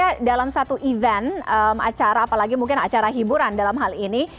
karena dalam satu event acara apalagi mungkin acara hiburan dalam hal ini